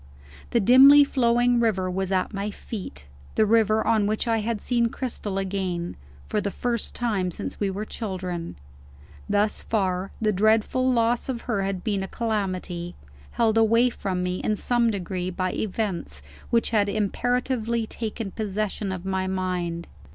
The dimly flowing river was at my feet; the river on which I had seen Cristel again, for the first time since we were children. Thus far, the dreadful loss of her had been a calamity, held away from me in some degree by events which had imperatively taken possession of my mind.